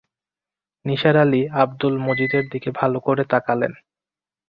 নিসার আলি আব্দুল মজিদের দিকে ভালো করে তাকালেন।